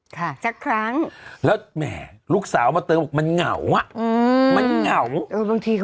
สักครั้งแล้วแหมลูกสาวมาเติมบอกมันเหงาอ่ะอืมมันเหงาเออบางทีก็